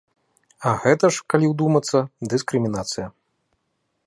А гэта ж, калі ўдумацца, дыскрымінацыя.